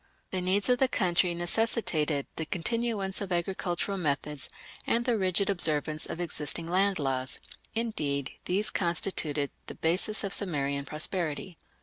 The needs of the country necessitated the continuance of agricultural methods and the rigid observance of existing land laws; indeed, these constituted the basis of Sumerian prosperity.